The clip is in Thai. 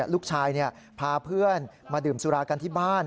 ลูกชายพาเพื่อนมาดื่มสุรากันที่บ้าน